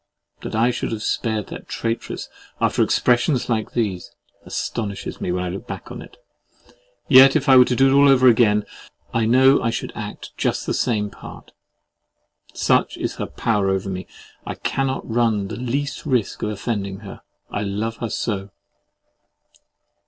That I should have spared the traitress after expressions like this, astonishes me when I look back upon it. Yet if it were all to do over again, I know I should act just the same part. Such is her power over me! I cannot run the least risk of offending her—I love her so.